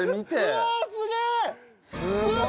うわすげえ！